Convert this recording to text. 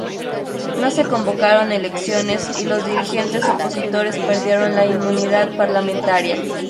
No se convocaron elecciones y los dirigentes opositores perdieron la inmunidad parlamentaria.